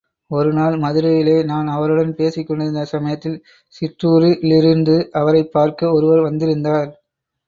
ஒருநாள் மதுரையிலே நான் அவருடன் பேசிக் கொண்டிருந்த சமயத்தில், சிற்றுாரிலிருந்து அவரைப் பார்க்க ஒருவர் வந்திருந்தார்.